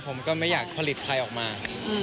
ผมก็ไม่อยากผลิตใครออกมา